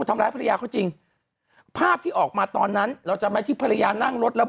ทำร้ายภรรยาเขาจริงภาพที่ออกมาตอนนั้นเราจำไหมที่ภรรยานั่งรถแล้ว